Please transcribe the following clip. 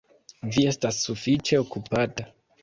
Vi estas sufiĉe okupata.